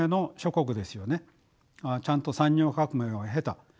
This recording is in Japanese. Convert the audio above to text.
ちゃんと産業革命を経た。